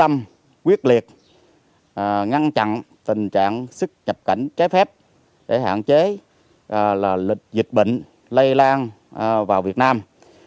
tuy nhiên với quyết tâm quyết liệt ngăn chặn tình trạng sức nhập cảnh trái phép để hạn chế lịch dịch bệnh lây lan vào việt nam